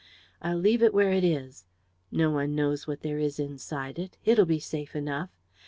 "I'll leave it where it is. No one knows what there is inside it. It'll be safe enough.